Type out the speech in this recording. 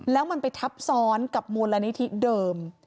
แล้วมันไปทับซ้อนกับมูลนิธิเดิม